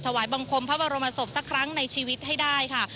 ถวายบังคมพระบรมศพสักครั้งในชีวิตให้ได้ค่ะ